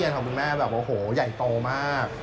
แยกโปนมาก